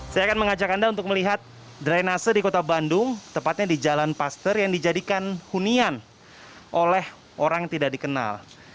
saya akan mengajak anda untuk melihat drainase di kota bandung tepatnya di jalan paster yang dijadikan hunian oleh orang tidak dikenal